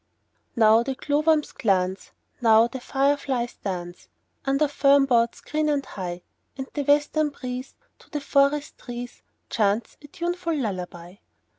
Now the glowworms glance, Now the fireflies dance, Under fern boughs green and high; And the western breeze To the forest trees Chants a tuneful lullaby.